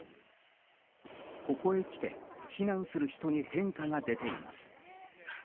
ここへきて、避難する人に変化が出ています。